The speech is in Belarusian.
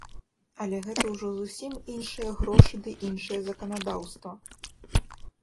Але гэта ўжо зусім іншыя грошы ды іншае заканадаўства.